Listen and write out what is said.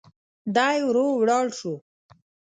دی ورو ولاړ شو.